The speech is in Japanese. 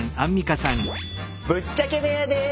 ぶっちゃけ部屋です。